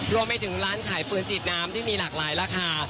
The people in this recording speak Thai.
รวมไปถึงร้านขายปืนฉีดน้ำที่มีหลากหลายราคา